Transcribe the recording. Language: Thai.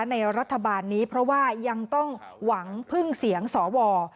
ในรัฐบาลนี้เพราะว่ายังต้องหวังพึ่งเสียงสว